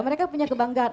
mereka punya kebanggaan